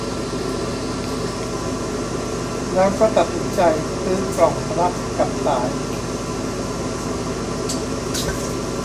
แล้วก็ตัดสินใจซื้อกล่องรับกับสาย